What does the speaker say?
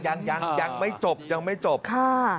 ยังยังไม่จบค่ะ